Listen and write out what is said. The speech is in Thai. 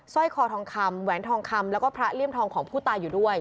ร้อยคอทองคำแหวนทองคำแล้วก็พระเลี่ยมทองของผู้ตายอยู่ด้วย